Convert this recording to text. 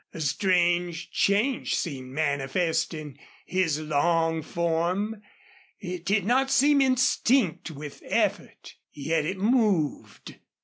A strange change seemed manifest in his long form. It did not seem instinct with effort. Yet it moved.